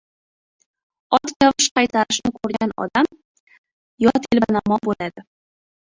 Ot kavsh qaytarishini ko‘rgan odam, yo telbanamo bo‘ladi